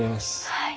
はい。